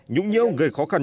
nhũng nhếu gây khó khăn